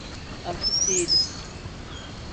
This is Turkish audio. Artık değiliz.